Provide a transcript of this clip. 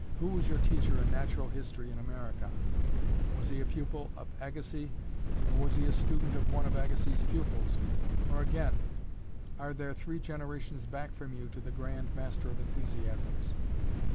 Who was your teacher in Natural History in America? Was he a pupil of Agassiz, or was he a student of one of Agassiz's pupils? Or, again, are there three generations back from you to the grand master of enthusiasms?